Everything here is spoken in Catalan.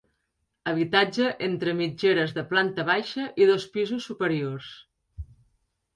Habitatge entre mitgeres de planta baixa i dos pisos superiors.